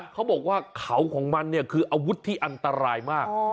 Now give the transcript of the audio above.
เขาบอกว่าเขาของมันเนี่ยคืออาวุธที่อันตรายมาก